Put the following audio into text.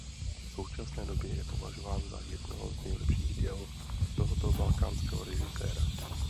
V současné době je považován za jedno z nejlepších děl tohoto balkánského režiséra.